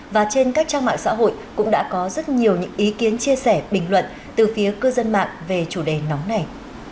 và trên các trang mạng xã hội cũng đã có rất nhiều những ý kiến chia sẻ bình luận từ phía cư dân mạng về chủ đề nóng này